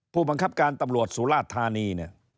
ผู้บังคับการตำรวจสุราธานี